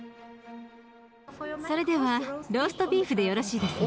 それではローストビーフでよろしいですね？